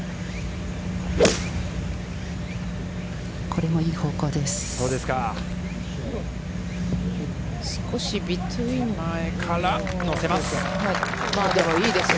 これも、いい方向です。